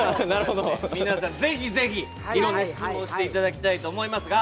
皆さん、ぜひぜひいろんな質問をしていただきたいと思います。